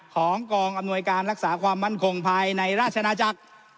ของกองอำนวยการรักษาความมั่นคงภายในราชนาจักร